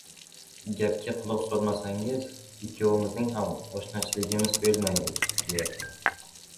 Gapga quloq solmasangiz, ikkovimizning oshnachiligimiz bo‘lmaydi, deyapman!